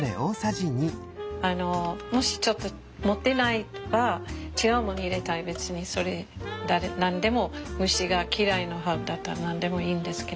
もしちょっと持ってなければ違うもの入れたい別にそれ何でも虫が嫌いなハーブだったら何でもいいんですけど。